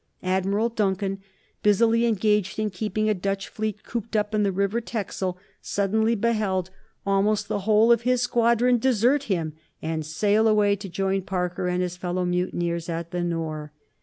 Admiral Duncan, busily engaged in keeping a Dutch fleet cooped up in the river Texel, suddenly beheld almost the whole of his squadron desert him and sail away to join Parker and his fellow mutineers at the Nore.